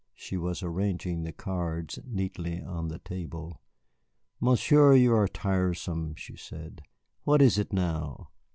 She was arranging the cards neatly on the table. "Monsieur, you are tiresome," she said. "What is it now?"